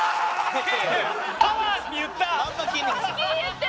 パワーって言った！